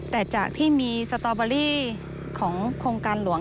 แต่จากที่มีสตอเบอรี่ของโครงการหลวง